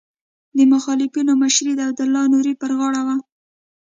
د مخالفینو مشري د عبدالله نوري پر غاړه وه.